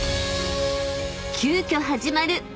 ［急きょ始まる］